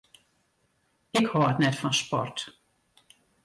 Ik hâld net fan sport.